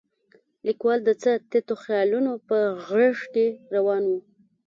لیکوال د څه تتو خیالونه په غېږ کې راون و.